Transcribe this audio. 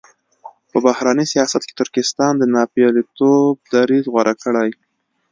په بهرني سیاست کې ترکمنستان د ناپېیلتوب دریځ غوره کړی.